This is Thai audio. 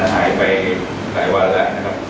หายไปหลายวันแล้วนะครับ